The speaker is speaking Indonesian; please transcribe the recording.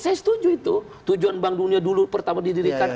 saya setuju itu tujuan bank dunia dulu pertama didirikan